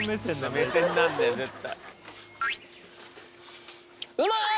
目線なんだよ絶対。